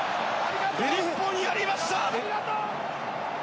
日本、やりました！